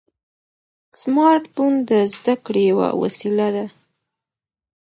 سمارټ فون د زده کړې یوه وسیله ده.